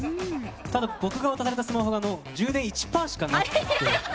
ただ、僕がいただいたスマホが充電１％しかなくて。